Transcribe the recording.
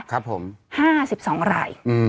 ห้าสิบสองราย